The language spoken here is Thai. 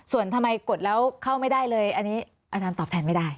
ส่วนทำไมกดแล้วเข้าไม่ได้เลยอันนี้อาจารย์ตอบแทนไม่ได้